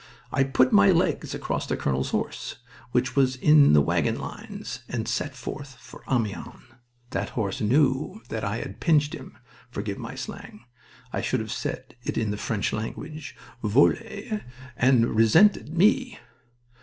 I put my legs across the colonel's horse, which was in the wagonlines, and set forth for Amiens. That horse knew that I had pinched him forgive my slang. I should have said it in the French language, vole and resented me.